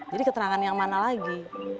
jadi keterangan yang mana lagi